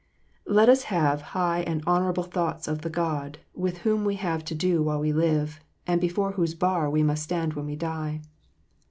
Let us have high and honourable thoughts of the God with whom we have to do while we live, and before whose bar we must stand when we die.